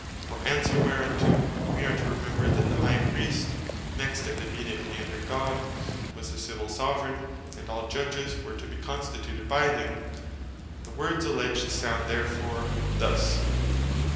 For answer whereunto, we are to remember that the High Priest (next and immediately under God) was the Civill Soveraign; and all Judges were to be constituted by him. The words alledged sound therefore thus.